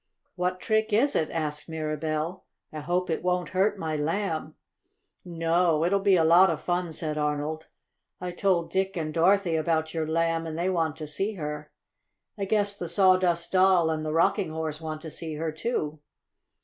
"What trick is it?" asked Mirabell. "I hope it won't hurt my Lamb." "No, it'll be a lot of fun," said Arnold. "I told Dick and Dorothy about your Lamb, and they want to see her. I guess the Sawdust Doll and the Rocking Horse want to see her, too."